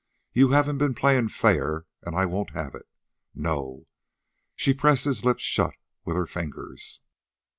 "You haven't been playing fair, and I won't have it. No!" She pressed his lips shut with her fingers.